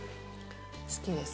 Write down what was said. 好きです。